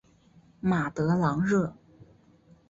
马德朗热。